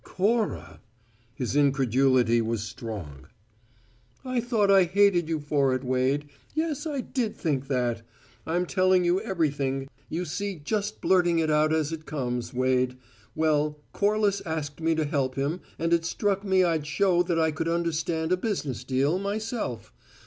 "Cora!" His incredulity was strong. "I thought I hated you for it, Wade. Yes, I did think that; I'm telling you everything, you see just blurting it out as it comes, Wade. Well, Corliss asked me to help him, and it struck me I'd show that I could understand a business deal, myself.